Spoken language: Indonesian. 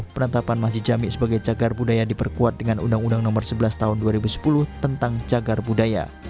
penetapan masjid jami sebagai cagar budaya diperkuat dengan undang undang nomor sebelas tahun dua ribu sepuluh tentang cagar budaya